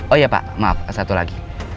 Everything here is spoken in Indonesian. oh iya pak maaf satu lagi